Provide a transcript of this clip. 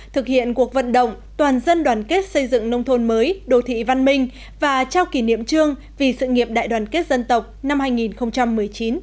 thực hiện cuộc vận động toàn dân đoàn kết xây dựng nông thôn mới đồ thị văn minh và trao kỷ niệm trương vì sự nghiệp đại đoàn kết dân tộc năm hai nghìn một mươi chín